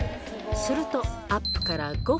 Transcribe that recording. すると、アップから５分。